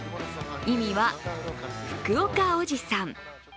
意味は、福岡おじさん。